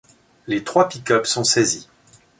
Les trois pick-up sont saisis.